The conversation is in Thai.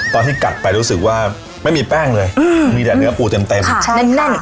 ตอนที่กัดไปรู้สึกว่าไม่มีแป้งเลยอืมมีแต่เนื้อปูเต็มเต็มค่ะแน่นแน่น